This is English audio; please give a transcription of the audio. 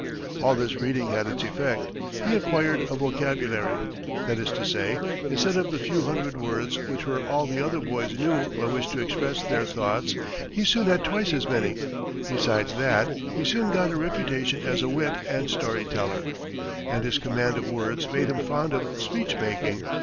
All this reading had its effect. He acquired a vocabulary. That is to say, instead of the few hundred words which were all the other boys knew by which to express their thoughts, he soon had twice as many; besides that, he soon got a reputation as a wit and story teller, and his command of words made him fond of speechmaking.